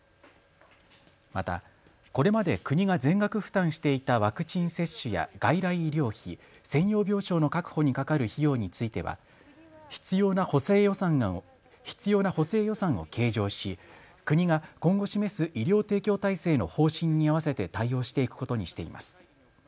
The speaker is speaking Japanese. またこれまで国が全額負担していたワクチン接種や外来医療費、専用病床の確保にかかる費用については必要な補正予算を計上し国が今後示す医療提供体制の方針に合わせて対応していくことにしています。